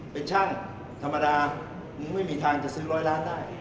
เป็นช่างธรรมดามึงไม่มีทางจะซื้อร้อยล้านได้